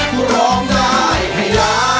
เพราะร้องได้ให้ล้าน